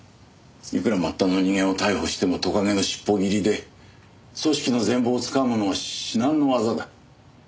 いくら末端の人間を逮捕してもトカゲの尻尾切りで組織の全貌をつかむのは至難の業だ。